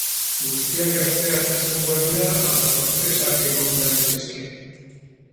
Guztiak gazteak izango al dira ala sorpresak egon daitezke?